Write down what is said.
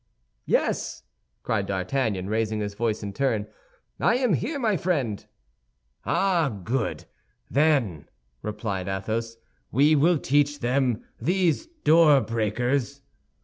"Yes," cried D'Artagnan, raising his voice in turn, "I am here, my friend." "Ah, good, then," replied Athos, "we will teach them, these door breakers!"